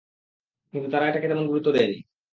কিন্তু তারা এটাকে তেমন গুরুত্ব দেয়নি।